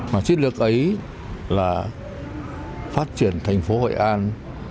mà chiến lược ấy là phát triển thành phố hội an